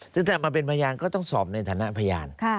ซึ่งถ้ามาเป็นพยานก็ต้องสอบในฐานะพยาน